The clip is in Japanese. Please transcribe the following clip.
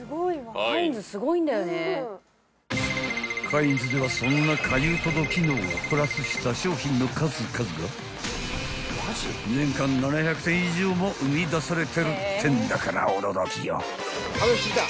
［カインズではそんなかゆ届機能をプラスした商品の数々が年間７００点以上も生み出されてるってんだから驚きよ］